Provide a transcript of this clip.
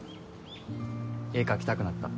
絵描きたくなった？